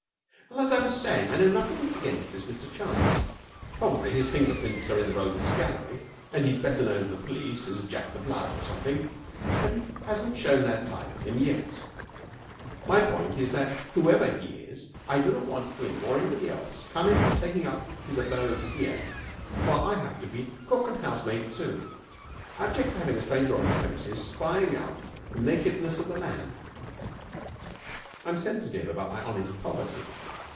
'Well, as I was saying, I know nothing against this Mr Chalmers. Probably his finger prints are in the Rogues' Gallery, and he is better known to the police as Jack the Blood, or something, but he hasn't shown that side of him yet. My point is that, whoever he is, I do not want him or anybody else coming and taking up his abode here while I have to be cook and housemaid too. I object to having a stranger on the premises spying out the nakedness of the land. I am sensitive about my honest poverty.